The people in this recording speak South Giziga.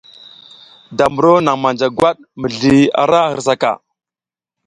Da mburo naŋ manja gwat mizli ra hirsakaŋ.